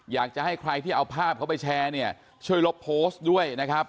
อยากจะให้ใครที่เอาภาพเขาไปแชร์เนี่ยช่วยลบโพสต์ด้วยนะครับ